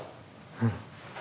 うん。